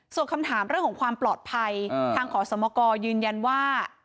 ส่วนคำถามเรื่องของความปลอดภัยทางขอสมกรยืนยันว่า